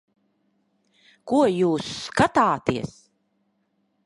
Ko jūs skatāties?